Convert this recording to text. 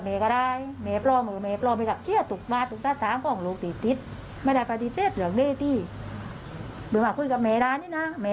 แม่พร้อมจะรับฟังถูกจริง